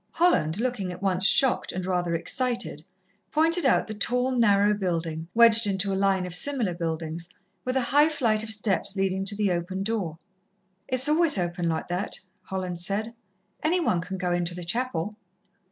Holland, looking at once shocked and rather excited, pointed out the tall, narrow building, wedged into a line of similar buildings, with a high flight of steps leading to the open door. "It's always open like that," Holland said. "Any one can go into the chapel."